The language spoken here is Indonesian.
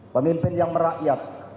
pemimpin yang merakyat